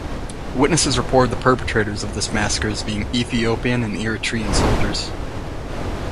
Witnesses reported the perpetrators of this massacre as being Ethiopian and Eritrean soldiers.